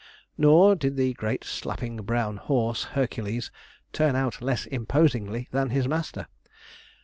Nor did the great slapping brown horse, Hercules, turn out less imposingly than his master.